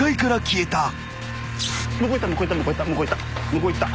向こう行った。